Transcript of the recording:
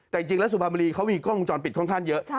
แต่จริงแล้วสุพรรณบุรีเขามีกล้องวงจรปิดค่อนข้างเยอะ